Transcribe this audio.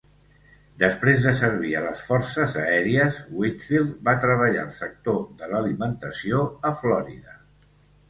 Després de servir a les Forces Aèries, Whitfield va treballar al sector de l'alimentació a Florida.